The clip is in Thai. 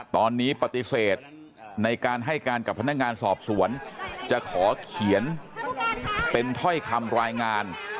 ตอนนี้ปฏิเสธในการให้การกับพนักงานสอบสวนจะขอเขียนเป็นถ้อยคำรายงาน